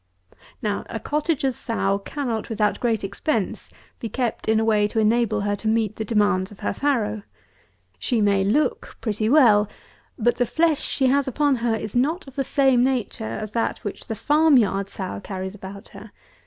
141. Now, a cottager's sow cannot, without great expense, be kept in a way to enable her to meet the demands of her farrow. She may look pretty well; but the flesh she has upon her is not of the same nature as that which the farm yard sow carries about her.